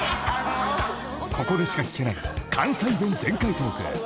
［ここでしか聞けない関西弁全開トーク］